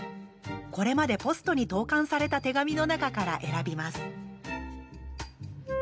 これまでポストに投かんされた手紙の中から選びます。